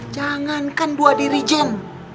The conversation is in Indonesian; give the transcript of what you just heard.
jangankan dua dirijen